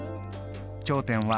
頂点は。